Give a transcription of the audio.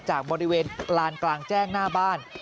จากบริเวณลานกลางแจ้งหน้าบ้าน